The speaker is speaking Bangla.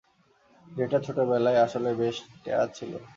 যেটা, ছোটবেলায়, আসলে বেশ ট্যারা ছিল।